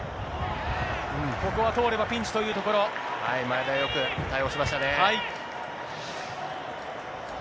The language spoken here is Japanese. ここは通ればピンチというと前田、よく対応しましたね。